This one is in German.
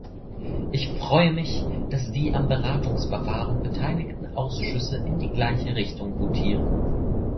Ich freue mich, dass die am Beratungsverfahren beteiligten Ausschüsse in die gleiche Richtung votieren.